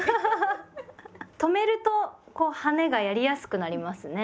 止めると「はね」がやりやすくなりますね。